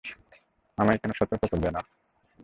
আমায় কেন সতর্ক করলে না?